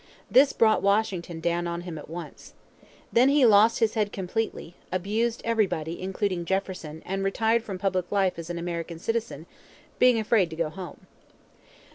This brought Washington down on him at once. Then he lost his head completely, abused everybody, including Jefferson, and retired from public life as an American citizen, being afraid to go home.